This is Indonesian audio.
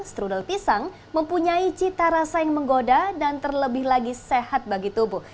strudel pisang mempunyai cita rasa yang menggoda dan terlebih lagi sehat bagi tubuh